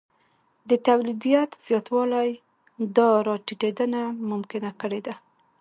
د تولیدیت زیاتوالی دا راټیټېدنه ممکنه کړې ده